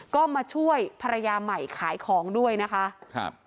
ก็มาช่วยภรรยาใหม่ขายของด้วยนะคะครับ